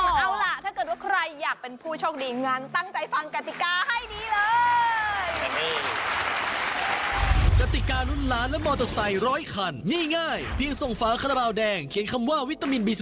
เอาล่ะถ้าเกิดว่าใครอยากเป็นผู้โชคดีงั้นตั้งใจฟังกติกาให้ดีเลย